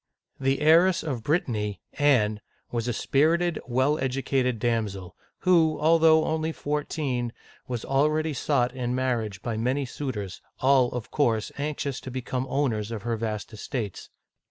The heiress of Brit tany, Anne, was a spir ited, well educated damsel, who, although only fourteen, was al ready sought in marriage by many suitors, all, of course, anxious to be come owners of her vast estates.